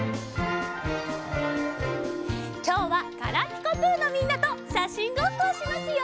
きょうは「ガラピコぷ」のみんなとしゃしんごっこをしますよ。